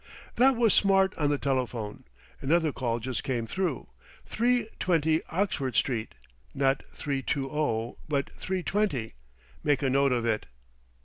"That was Smart on the telephone, another call just come through, three twenty Oxford Street, not three two o, but three twenty. Make a note of it."